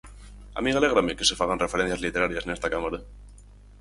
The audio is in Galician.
A min alégrame que se fagan referencias literarias nesta Cámara.